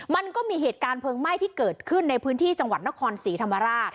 มันก็มีเหตุการณ์เพิงที่เกิดขึ้นในจังหวัดนคร๔ธรรมราช